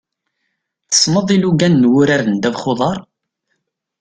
Tessneḍ ilugan n wurar n ddabex n uḍar?